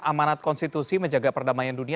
amanat konstitusi menjaga perdamaian dunia